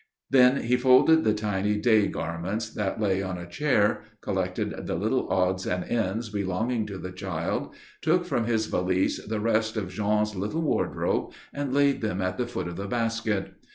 Then he folded the tiny day garments that lay on a chair, collected the little odds and ends belonging to the child, took from his valise the rest of Jean's little wardrobe, and laid them at the foot of the basket.